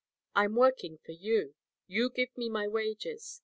I'm working for you. You give me my wages.